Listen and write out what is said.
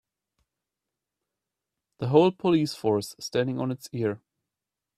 The whole police force standing on it's ear.